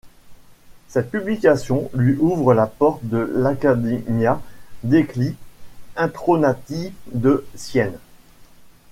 Cette publication lui ouvre la porte de l'Accademia degli Intronati de Sienne.